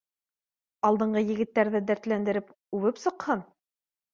— Алдынғы егеттәрҙе дәртләндереп, үбеп сыҡһын